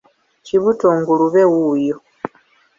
Kibuto ngulube wuuyo!